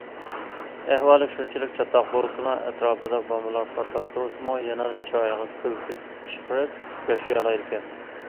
ئەھۋالى شۇنچىلىك چاتاق بولسىمۇ، ئەتراپىدا بومبىلار پارتلاپ تۇرسىمۇ يەنىلا چىرايىغا كۈلكە چىقىرىپ ياشىيالايدىكەن.